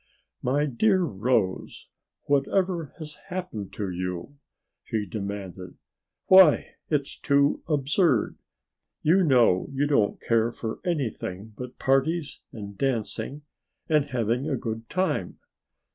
"My dear Rose, whatever has happened to you?" she demanded. "Why it's too absurd! You know you don't care for anything but parties and dancing and having a good time.